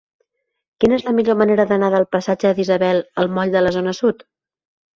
Quina és la millor manera d'anar del passatge d'Isabel al moll de la Zona Sud?